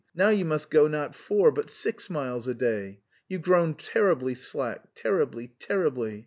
"Now you must go not four but six miles a day! You've grown terribly slack, terribly, terribly!